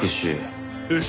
よし。